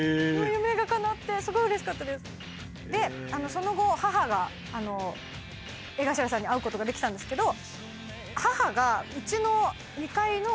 その後母が江頭さんに会うことができたんですけど。